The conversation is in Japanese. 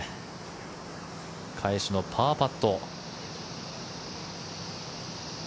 返しのパーパット。